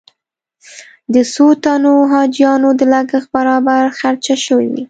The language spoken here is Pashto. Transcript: د څو تنو حاجیانو د لګښت برابر خرچه شوې وي.